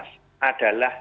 satu satunya cara mas adalah